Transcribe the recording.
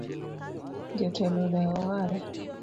Jotelo olewo owada.